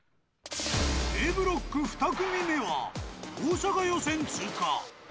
Ａブロック２組目は大阪予選通過。